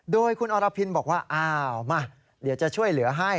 โดยคุณอรพินบอกว่าอ้าวมาเดี๋ยวจะช่วยเหลือให้